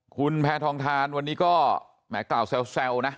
คุณแพทองทานวันนี้ก็แหมกล่าวแซวนะ